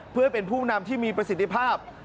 เพื่อให้เป็นผู้นำที่มีประสิทธิภาพ